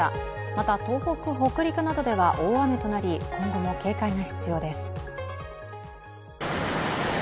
また、東北・北陸などでは大雨となり、今後も警戒が必要です。